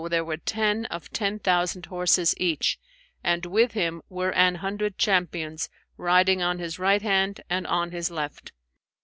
there were ten of ten thousand horses each, and with him were an hundred champions, riding on his right hand and on his left.